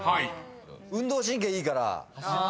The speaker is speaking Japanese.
運動神経いいから。